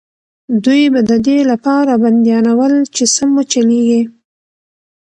دوی به د دې لپاره بندیانول چې سم وچلېږي.